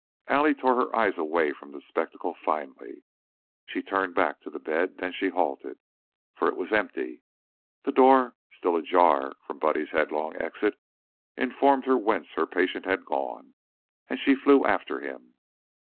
Allie tore her eyes away from the spectacle finally. She turned back to the bed, then she halted, for it was empty. The door, still ajar from Buddy's headlong exit, informed her whence her patient had gone, and she flew after him.